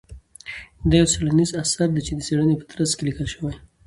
دا يو څېړنيز اثر دى چې د څېړنې په ترڅ کې ليکل شوى.